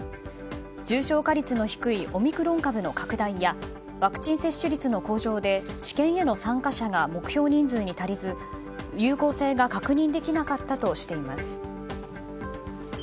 重症化率の低いオミクロン株の拡大やワクチン接種率の向上で治験への参加者が目標人数に足りず有効性が確認できなかったとしています。